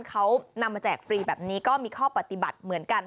เขานำมาแจกฟรีแบบนี้ก็มีข้อปฏิบัติเหมือนกัน